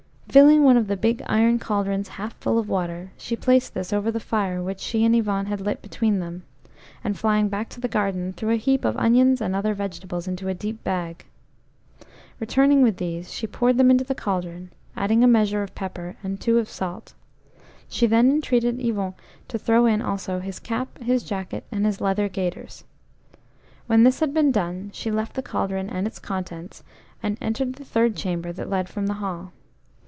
Filling one of the big iron cauldrons half full of water, she placed this over the fire which she and Yvon had lit between them, and flying back to the garden, threw a heap of onions and other vegetables into a deep bag. Returning with these, she poured them into the cauldron, adding a measure of pepper and two of salt. She then entreated Yvon to throw in also his cap, his jacket, and his leather gaiters. When this had been done, she left the cauldron and its contents, and entered the third chamber that led from the hall.